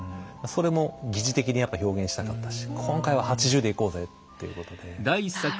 それも疑似的にやっぱ表現したかったし「今回は８０でいこうぜ」っていうことで。